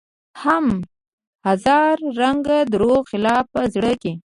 هم هزار رنګه دروغ خلاف په زړه کې